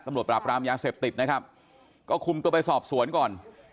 ปราบรามยาเสพติดนะครับก็คุมตัวไปสอบสวนก่อน